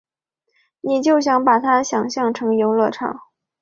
你就把他想成游乐场